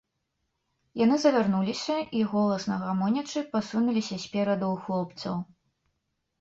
Яны завярнуліся і, голасна гамонячы, пасунуліся спераду ў хлопцаў.